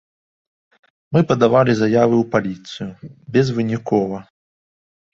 Мы падавалі заявы ў паліцыю, безвынікова.